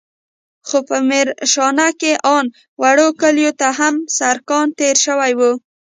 خو په ميرانشاه کښې ان وړو کليو ته هم سړکان تېر سوي وو.